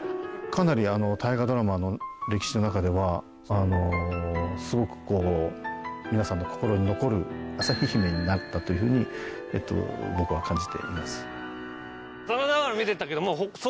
かなり大河ドラマの歴史の中ではすごくこう皆さんの心に残る旭姫になったという風に僕は感じています。